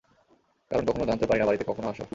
কারণ কখনো জানতেও পারি না বাড়িতে কখনো আসো।